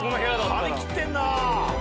張り切ってんなぁ。